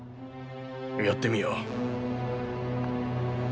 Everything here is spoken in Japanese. やってみよう。